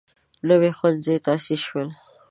نوي ښوونځي تاسیس شول.